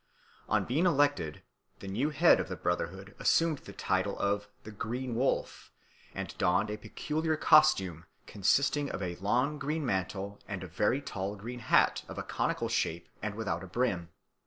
On being elected, the new head of the brotherhood assumed the title of the Green Wolf, and donned a peculiar costume consisting of a long green mantle and a very tall green hat of a conical shape and without a brim.